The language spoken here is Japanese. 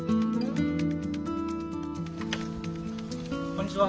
こんにちは。